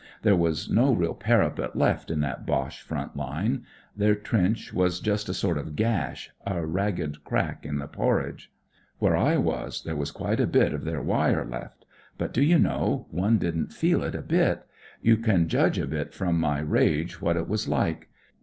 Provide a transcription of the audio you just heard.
There was no real parapet left in that Boche front line. Their trench was just a sort of gash, a ragged crack in the porridge. Where I was there was quite a bit of their wire left ; but, do you know, one didn't feel it a bit. You 14 WHAT IT'S LIKE IN THE PUSH can judge a bit from my rags what it was like.